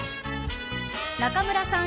中村さん